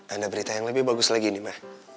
ada berita yang lebih bagus lagi nih ma